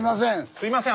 すいません。